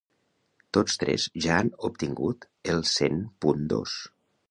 Tots tres ja han obtingut el cent punt dos.